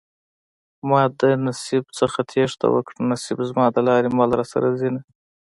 ما د نصيب نه تېښته وکړه نصيب زما د لارې مل راسره ځينه